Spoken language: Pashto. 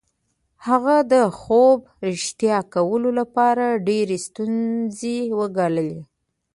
هغه د خوب رښتیا کولو لپاره ډېرې ستونزې وګاللې